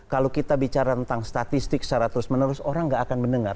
kalau kita bicara tentang statistik secara terus menerus orang gak akan mendengar